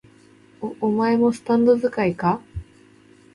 お、お前もスタンド使いか？